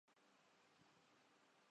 وہ اقتدار کے کھیل میں شریک ہیں۔